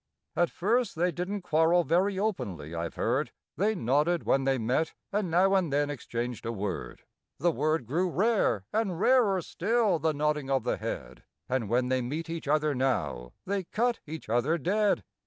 At first they didn't quarrel very openly, I've heard; They nodded when they met, and now and then exchanged a word: The word grew rare, and rarer still the nodding of the head, And when they meet each other now, they cut each other dead.